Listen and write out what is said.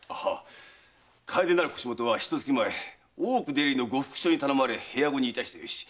楓なる腰元はひと月前大奥出入りの呉服商に頼まれ部屋子にいたした由